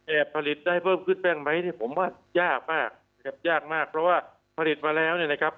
ผลิตได้เพิ่มขึ้นบ้างไหมเนี่ยผมว่ายากมากแอบยากมากเพราะว่าผลิตมาแล้วเนี่ยนะครับ